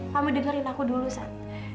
kamu dengerin aku dulu saat